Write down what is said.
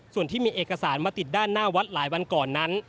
ส่วนที่มีเอกสารมาติดด้านหน้าวัดหลายวันก่อนนั้น